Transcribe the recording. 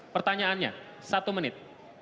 pertanyaannya satu menit